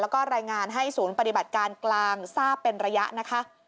แล้วก็รายงานให้ศูนย์ปฏิบัติการกลางทราบเป็นระยะนะคะ